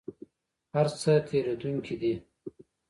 هر څه تیریدونکي دي؟